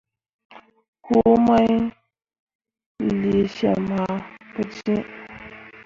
Huu main lee syem ah pǝjẽe.